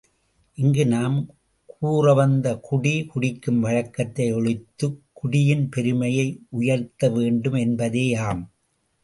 இங்கு நாம் கூறவந்த குடி, குடிக்கும் வழக்கத்தை ஒழித்துக் குடியின் பெருமையை உயர்த்த வேண்டும் என்பதேயாம்.